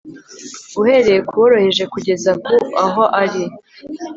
uhereye ku woroheje kugeza ku aho ari